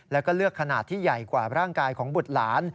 แล้วก็เลือกขนาดที่ใหญ่กว่าร่างกายของบุตรหลาน